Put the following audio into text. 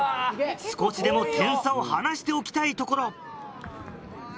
少しでも点差を離しておきたいところ。